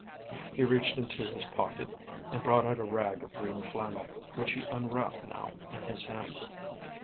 He reached into his pocket, and brought out a rag of green flannel, which he unwrapped now in his hand.